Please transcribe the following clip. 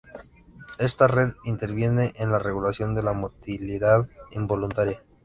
Esta red interviene en la regulación de la motilidad involuntaria.